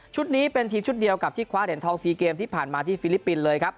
นี้เป็นทีมชุดเดียวกับที่คว้าเหรียญทอง๔เกมที่ผ่านมาที่ฟิลิปปินส์เลยครับ